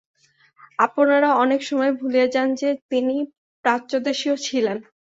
আপনারা অনেক সময় ভুলিয়া যান যে, তিনি একজন প্রাচ্যদেশীয় ছিলেন।